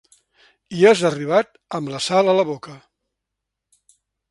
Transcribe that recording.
I has arribat amb la sal a la boca.